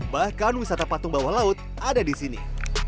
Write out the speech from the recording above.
bahkan wisata patung bawah laut ada di sini